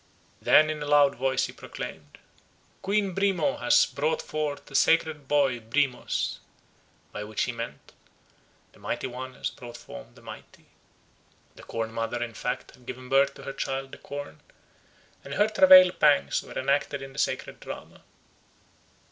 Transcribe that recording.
Then in a loud voice he proclaimed, "Queen Brimo has brought forth a sacred boy Brimos," by which he meant, "The Mighty One has brought forth the Mighty." The corn mother in fact had given birth to her child, the corn, and her travail pangs were enacted in the sacred drama.